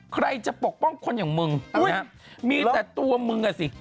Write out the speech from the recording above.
ใครจะปกป้องคนอย่างมึงนะมีแต่ตัวมึงอ่ะสิ